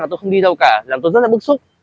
tôi rất bức xúc